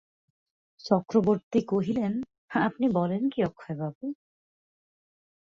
চক্রবর্তী কহিলেন, আপনি বলেন কী অক্ষয়বাবু?